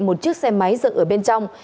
một chiếc xe máy dựng ở bên trong